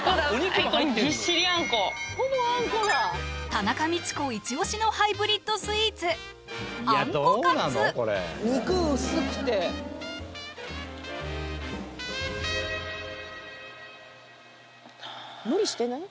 田中道子イチ推しのハイブリッドスイーツ無理してない？